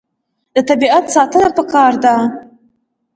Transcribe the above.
د طبیعت ساتنه پکار ده.